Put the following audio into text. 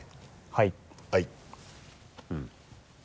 はい。